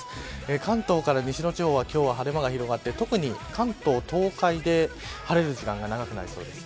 関東から西の地方は今日は晴れ間が広がって特に関東東海で晴れる時間が長くなりそうです。